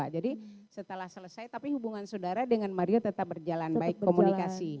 jadi setelah selesai tapi hubungan saudara dengan mario tetap berjalan baik komunikasi